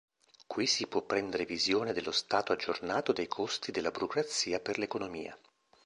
Qui si può prendere visione dello stato aggiornato dei costi della burocrazia per l'economia.